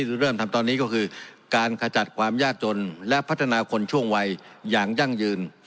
ที่เริ่มทำตอนนี้ก็คือการขจัดความยากจนและพัฒนาคนช่วงวัยอย่างยั่งยืน